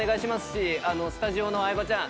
しスタジオの相葉ちゃん